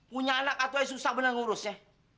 punya anak atuh aja susah bener ngurusnya